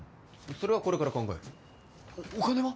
それはこれから考えるお金は？